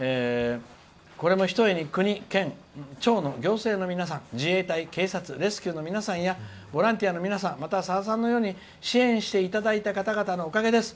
「これもひとえに国県庁の行政の皆さん、自衛隊、警察レスキューの皆さんボランティアの皆さんまたはさださんのように支援していただいた方々のおかげです。